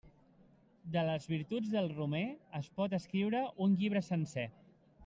De les virtuts del romer es pot escriure un llibre sencer.